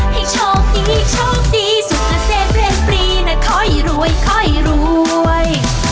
ให้ชอบดีชอบดีสุขเศษเป็นปรีนะคอยรวยคอยรวย